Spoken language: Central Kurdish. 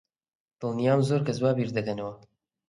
دڵنیام زۆر کەس وا بیر دەکەنەوە.